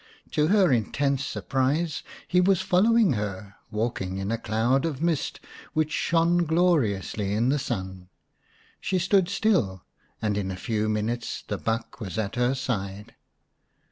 To her intense surprise he was follow ing her, walking in a cloud of mist which shone gloriously in the sun. She stood still, and in a few minutes the buck was at her side.